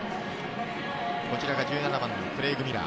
こちらが１７番のクレイグ・ミラー。